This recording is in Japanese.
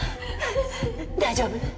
大丈夫？